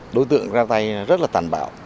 đối tượng ra tay rất là tàn bạo